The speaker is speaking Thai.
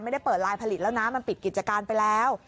ไม่ได้เปิดลายผลิตแล้วนะมันปิดกิจการไปแล้ว